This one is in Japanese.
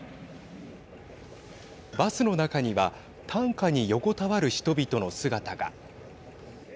バスの中には担架に横たわる人々の姿が。